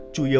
chủ yếu là